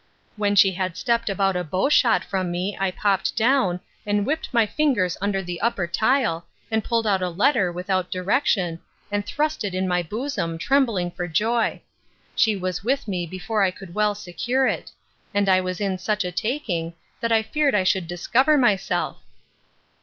When she had stept about a bow shot from me, I popt down, and whipt my fingers under the upper tile, and pulled out a letter without direction, and thrust it in my bosom, trembling for joy. She was with me, before I could well secure it; and I was in such a taking that I feared I should discover myself.